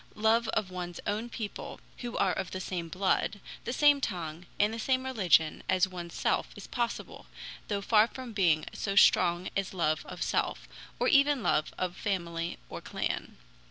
Love of one's own people who are of the same blood, the same tongue, and the same religion as one's self is possible, though far from being so strong as love of self, or even love of family or clan.